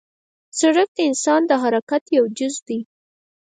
سړک د انسان د حرکت یو جز دی.